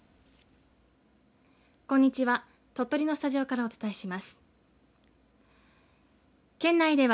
こんにちは。